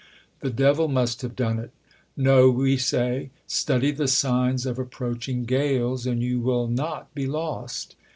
The devil must have done it.' No. We say, 'Study the signs of approaching gales, and you will not be lost.'